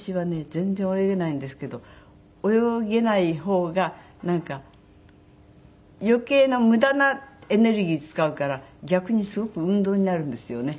全然泳げないんですけど泳げない方がなんか余計な無駄なエネルギー使うから逆にすごく運動になるんですよね。